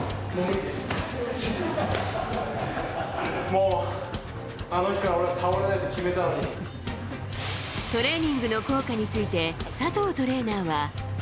もう、あの日から俺は倒れなトレーニングの効果について、佐藤トレーナーは。